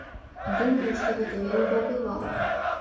Думаю, што гэта вельмі паўплывала.